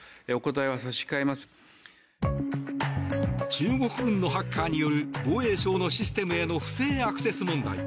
中国軍のハッカーによる防衛省のシステムへの不正アクセス問題。